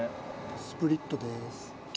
スプリットです。